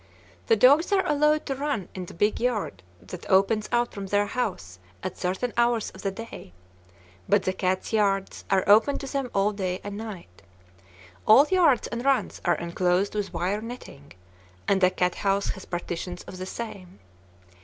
The dogs are allowed to run in the big yard that opens out from their house at certain hours of the day; but the cats' yards are open to them all day and night. All yards and runs are enclosed with wire netting, and the cat house has partitions of the same.